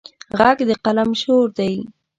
غږ د قلم شور دی